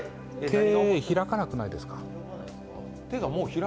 手、開かなくないですか？